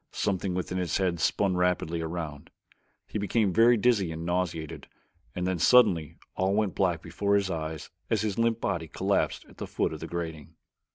Something within his head spun rapidly around. He became very dizzy and nauseated and then suddenly all went black before his eyes as his limp body collapsed at the foot of the grating.